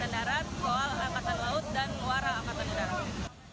darat soal angkatan laut dan warang angkatan darat